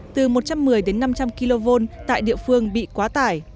từ một trăm một mươi đến năm trăm linh kv tại địa phương bị quá tải